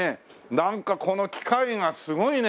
なんかこの機械がすごいね！